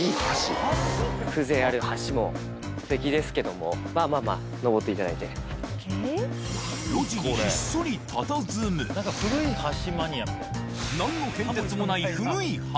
風情ある橋もすてきですけども、まあまあ、路地にひっそりたたずむ、なんの変哲もない古い橋。